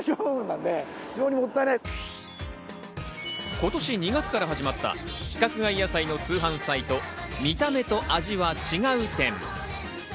今年２月から始まった規格外野菜の通販サイト、みためとあじはちがう店。